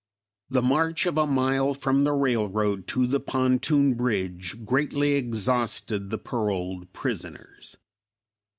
The march of a mile from the railroad to the pontoon bridge greatly exhausted the paroled prisoners.